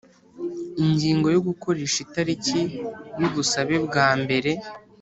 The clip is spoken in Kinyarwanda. Ingingo yo Gukoresha itariki y ubusabe bwa mbere